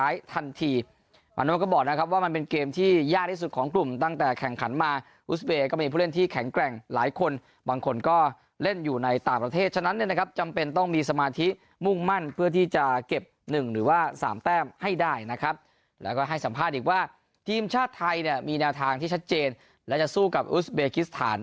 ย่าที่สุดของกลุ่มตั้งแต่แข่งขันมาอูสเบคิสฐานก็มีผู้เล่นที่แข็งแกร่งหลายคนบางคนก็เล่นอยู่ในต่างประเทศฉะนั้นนะครับจำเป็นต้องมีสมาธิมุ่งมั่นเพื่อที่จะเก็บหนึ่งหรือว่าสามแต้มให้ได้นะครับแล้วก็ให้สัมภาษณ์อีกว่าทีมชาติไทยเนี่ยมีแนวทางที่ชัดเจนและจะสู้กับอูสเบคิสฐาน